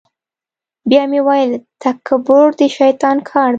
بیا مې ویل تکبر د شیطان کار دی.